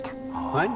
はい。